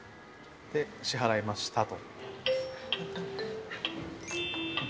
支払いましたと。